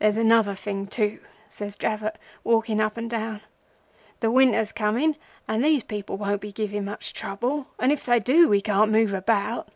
"'There's another thing too,' says Dravot, walking up and down. 'The winter's coming and these people won't be giving much trouble, and if they do we can't move about.